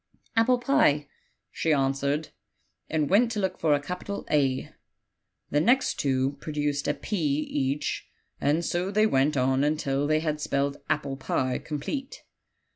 'Apple pie/ she answered, and went to look for a capital 'A;' the next two produced a 'p' each, and so they went on until they had spelled 'Apple pie' complete.